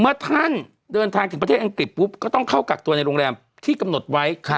เมื่อท่านเดินทางถึงประเทศอังกฤษปุ๊บก็ต้องเข้ากักตัวในโรงแรมที่กำหนดไว้